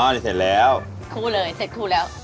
นี่เสร็จแล้วคู่เลยเสร็จคู่แล้ว